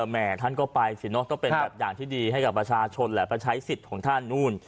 แม่ท่านก็ไปสิเนอะต้องเป็นแบบอย่างที่ดีให้กับประชาชนแหละไปใช้สิทธิ์ของท่านนู่น